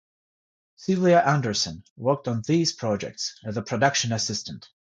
Sylvia Anderson worked on these projects as a production assistant.